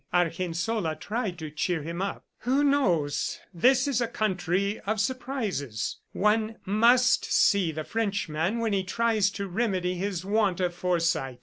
Argensola tried to cheer him up. "Who knows? ... This is a country of surprises. One must see the Frenchman when he tries to remedy his want of foresight.